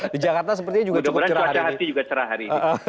di jakarta sepertinya juga cukup cerah hari ini